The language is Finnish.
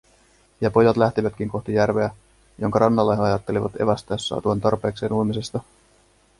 Ja pojat lähtivätkin kohti järveä, jonka rannalla he ajattelivat evästää saatuaan tarpeekseen uimisesta.